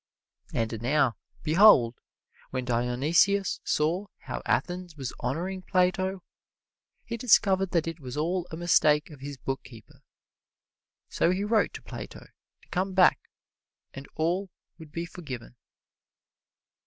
And now behold, when Dionysius saw how Athens was honoring Plato, he discovered that it was all a mistake of his bookkeeper, so he wrote to Plato to come back and all would be forgiven.